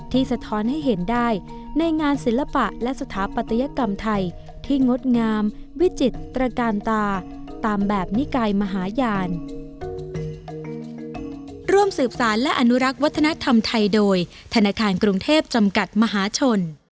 สะท้อนให้เห็นได้ในงานศิลปะและสถาปัตยกรรมไทยที่งดงามวิจิตรการตาตามแบบนิกายมหาญาณ